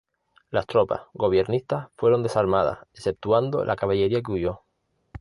Las tropas gobiernistas fueron desarmadas, exceptuando la caballería que huyó.